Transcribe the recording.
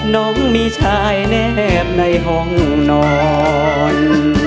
น้องมีชายแนบในห้องนอน